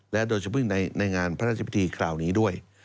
และโดยเฉพาะในงานพระราชพิธีคราวนี้ด้วย